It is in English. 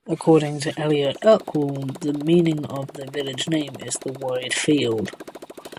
According to Eilert Ekwall, the meaning of the village name is "the wide field".